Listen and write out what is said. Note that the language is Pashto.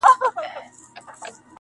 پر دوکان بېهوښه ناست لکه لرګی وو؛